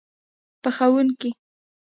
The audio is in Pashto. پخوونکی